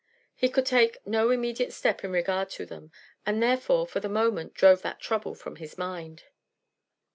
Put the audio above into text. He could take no immediate step in regard to them, and therefore, for the moment, drove that trouble from his mind.